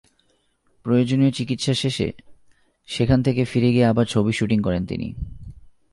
প্রয়োজনীয় চিকিৎসা শেষে সেখান থেকে ফিরে গিয়ে আবার ছবির শুটিং করেন তিনি।